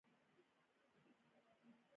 د يو بل ملک پاياوي د زوي سره شوې وه